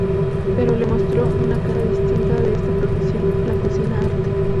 Pero le mostró una cara distinta de esta profesión: la cocina arte.